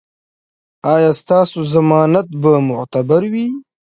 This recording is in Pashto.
ایا ستاسو ضمانت به معتبر وي؟